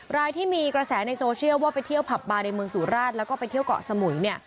รายที่มีกระแสในโซเชียลว่าไปเที่ยวผับบาร์ในเมืองสุราชแล้วก็ไปเที่ยวเกาะสมุย